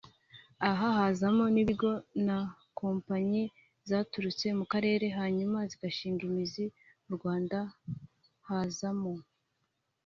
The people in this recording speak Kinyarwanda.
Aha hazamo nk’ibigo na kompanyi zaturutse mu karere hanyuma zigashinga imizi mu Rwanda hazamo